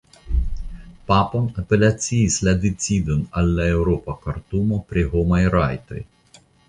Papon apelaciis la decidon al la Eŭropa Kortumo pri Homaj Rajtoj.